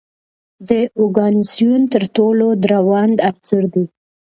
د اوګانیسون تر ټولو دروند عنصر دی.